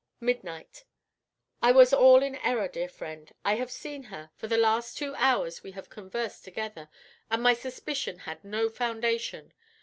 Midnight. I was all in error, dear friend. I have seen her; for the last two hours we have conversed together, and my suspicion had no foundation.